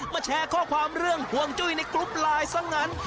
แชร์ข้อความเรื่องห่วงจุ้ยในกรุ๊ปไลน์ซะงั้น